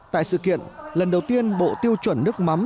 tại sự kiện lần đầu tiên bộ tiêu chuẩn nước mắm